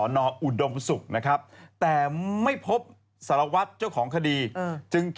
หนูไงหนูจะขอ